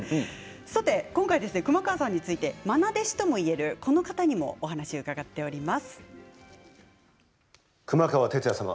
さて今回、熊川さんについてまな弟子ともいえる、この方にもお話を伺っております。